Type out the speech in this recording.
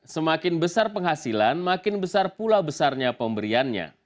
semakin besar penghasilan makin besar pula besarnya pemberiannya